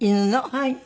はい。